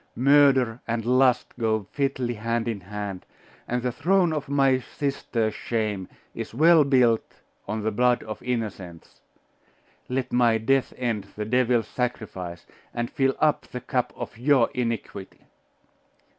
Murder and lust go fitly hand in hand, and the throne of my sister's shame is well built on the blood of innocents! Let my death end the devil's sacrifice, and fill up the cup of your iniquity!